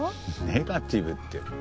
ネガティブって。